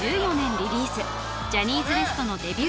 リリースジャニーズＷＥＳＴのデビュー曲